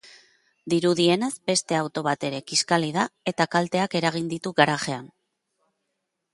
Dirudienez, beste auto bat ere kiskali da eta kalteak eragin ditu garajean.